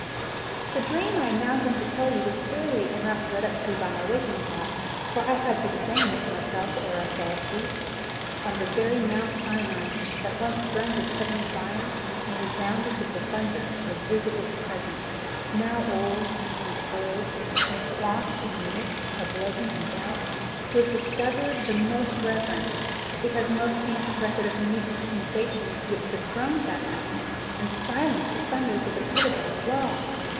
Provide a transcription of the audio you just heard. "The dream I am now going to tell you was clearly enough led up to by my waking thoughts. For I had been saying to myself ere I fell asleep: 'On the very Mount Sinai, that once burned with heavenly fire, and resounded with the thunder of a visible Presence, now old and cold, and swathed in the mists of legend and doubt, was discovered the most reverend, because most ancient record of the new dispensation which dethroned that mountain, and silenced the thunders of the pedagogue law!